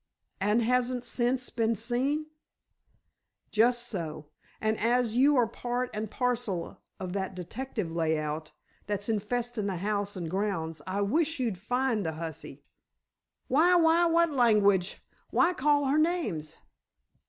"And hasn't sence ben sane?" "Just so. And as you are part and parcel of that detective layout that's infestin' the house an' grounds, I wish you'd find the hussy." "Why, why, what langwitch! Why call her names?"